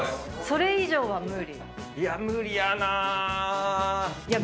それ以上は無理。